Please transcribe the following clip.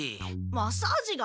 マッサージが？